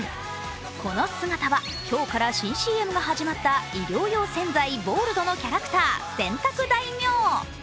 この姿は今日から新ＣＭが始まった衣料用洗剤・ボールドのキャラクター・洗濯大名。